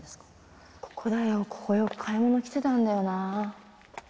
ここだよ、ここ、よく買い物来てたんだよな。